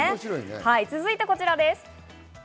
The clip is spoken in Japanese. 続いてこちらです。